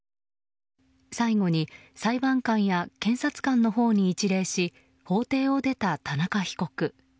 最後に裁判官や検察官のほうに一礼し法廷を出た田中被告。